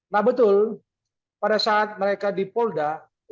nah betul pada saat mereka di polda